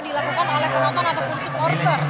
dilakukan oleh penonton ataupun supporter